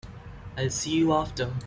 I'll see you after.